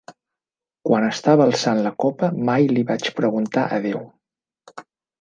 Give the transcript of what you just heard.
Quan estava alçant la copa mai li vaig preguntar a Déu: